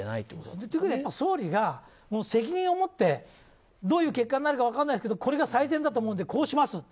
ということはやっぱり総理が責任をもってどういう結果になるか分からないですけどこれが最善だと思うのでやります